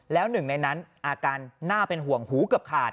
แล้วหนึ่งในนั้นอาการน่าเป็นห่วงหูเกือบขาด